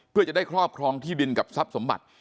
เพื่อจะได้ครอบครองที่ดินกับทรัพย์สมบัติ